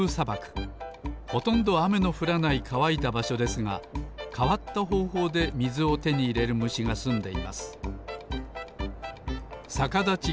ほとんどあめのふらないかわいたばしょですがかわったほうほうでみずをてにいれるむしがすんでいます